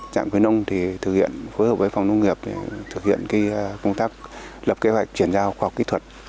trạng quyền nông thì thực hiện phối hợp với phòng nông nghiệp để thực hiện công tác lập kế hoạch chuyển giao khoa học kỹ thuật